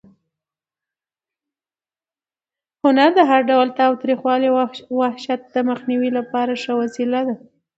هنر د هر ډول تاوتریخوالي او وحشت د مخنیوي لپاره ښه وسله ده.